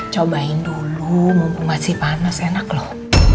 cobain dulu mumpung masih panas enak loh